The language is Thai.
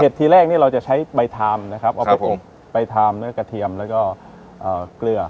เห็ดที่แรกเนี่ยเราจะใช้ใบถามนะครับเอาไปอีกใบถามด้วยกระเทียมแล้วก็เกลือ